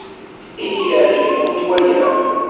Ihi yeɛjeb-ikent waya?